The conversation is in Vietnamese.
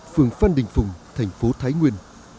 phường phan đình phùng thành phố thái nguyên